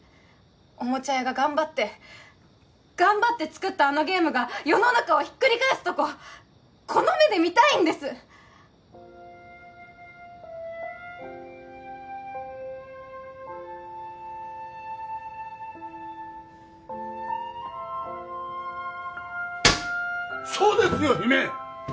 おもちゃ屋が頑張って頑張って作ったあのゲームが世の中をひっくり返すとここの目で見たいんですそうですよ姫！